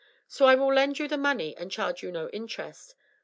So I will lend you the money and charge you no interest.